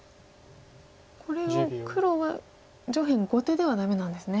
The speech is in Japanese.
これを黒は上辺後手ではダメなんですね。